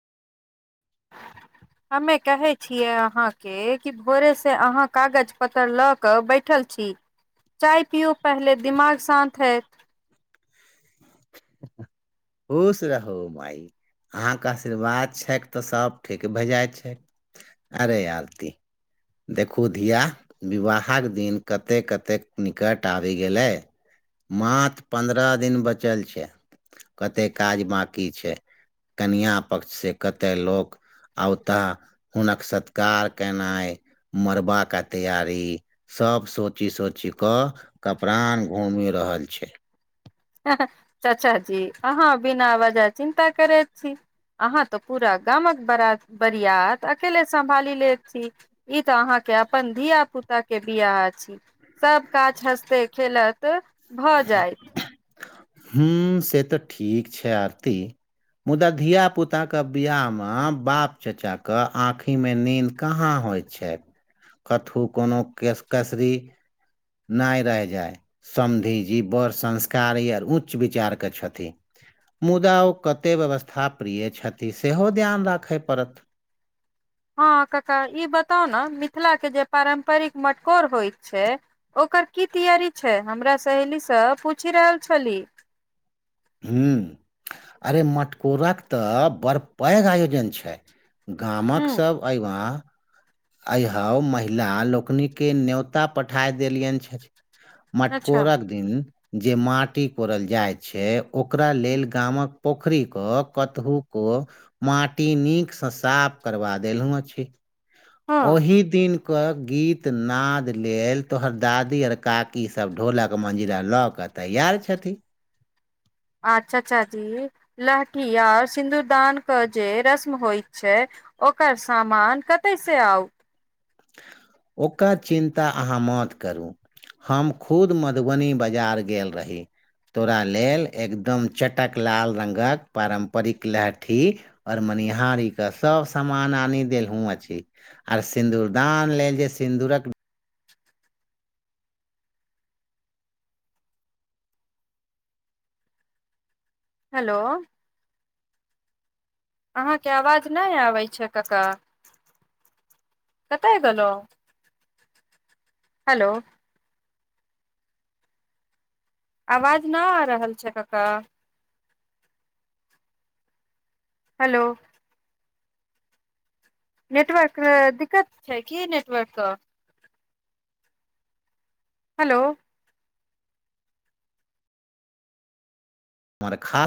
[inaudible] हमे कहै छियै अहाँके कि भोरेसँ अहाँ कागज पत्तर ल के बैठल छी चाय पियो पहिले दिमाग शान्त हयैत खुश रहु माइ अहााँके आशीर्वाद छै तऽ सभ ठीक भेजइत छै अरे आरती देखू धिया विवाहक दिन कतेक कतेक निकट आबि गेलै मात्र पन्द्रह दिन बचल छै कतेक काज बकी छै कनिआँ पक्ष सँ कतय लोक आत हुनक सत्कार केनाइ मरबा का तैयारी सब सोचि सोचि कऽ कपड़ान घूमे रहल छै चाचा जी अहाँ बिना वजह चिन्ता करैत छी अहाँ तऽ पूरा गामक बरात बरियात अकेले सम्भाली ले छी ई तऽ अहाँके अपन धिय पुता के बिियाह अछि सब काज हस्ते खेलत भ जायइत हू से तऽ ठीक छै आरती मुदा धिया पुता के बिियाह मे बाप चचा के आखि मे नीद कहा होयत छथि कथहु कोनो केस कसरी नय रहि जाय समधि जी बड़ संस्कारी आर उच्च विचार के क्षन मुदा ओ कतेक व्यवस्था प्रिय छथि सेहो ध्यान राखय पड़त हँ कका ई बताउ ने मिथिला के जे पारम्परिक मटकोर होइत छै ओकर की तैयारी छै हमरा सहेलीसँ पूछि रहल छलीह ह अरे मटकोराके तऽ बड़ पैघ आयोजन छै गामक ह सब अबा अइौ महिला लोकनिकेँ ने्योता पठा देलियनि छथि अच्छा मटकोरक दिन जे माटि कोरल जाइ छै ओकरा लेल गामक पोखरी क कतहु को माटी नीक सँ साफ करबा देलहुँ छी हँ ओहि दिन गीतनाद लेल तोहर दादी आओर काकीसभ ढोलक मञजिरा लऽ कऽ तैयार छथिन अच्छा अचा जी लहठी आर सिंन्दूरदान के जे रस्म होइ छै ओकर सामान कते से आउ ओकर चिन्ता अहाँ मत करू हम खुद मधुबनी बाजार गेल रही तोरा लेल एकदम चटक लाल रंगक पारम्परिक लहठी और मनिहारी कऽ सब सामान आनी देल हुँ अछि आर सिन्दूर दान लेल जे सिन्दूरक हेलो अहाँकेँ आवाज नै आबै छै कका [inaudible] कतए गेलो [inaudible] हेलो आवाज न आ रहल छै कका हेलो नेटवर्क कऽ दिक्कत छै की नेटवर्क कऽ हेलो मरखा